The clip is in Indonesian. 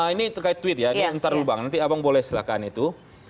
ini terkait tweet ya nanti abang boleh silahkan itu